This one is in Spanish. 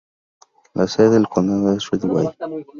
La sede del condado es Ridgway.